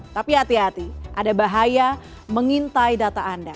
tapi hati hati ada bahaya mengintai data anda